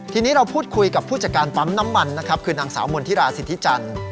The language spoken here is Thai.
ทีนี้เราพูดคุยกับผู้จัดการปั๊มน้ำมันนะครับคือนางสาวมณฑิราสิทธิจันทร์